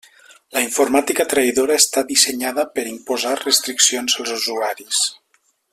La informàtica traïdora està dissenyada per imposar restriccions als usuaris.